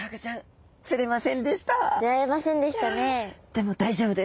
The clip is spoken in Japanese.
でも大丈夫です。